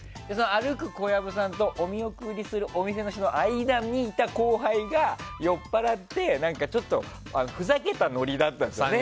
歩く小籔さんと、お見送りするお店の人の間にいた後輩が、酔っ払ってちょっとふざけたノリだったんですね。